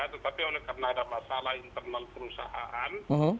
tetapi karena ada masalah internal perusahaan